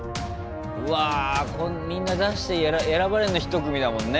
うわみんな出して選ばれんの１組だもんね。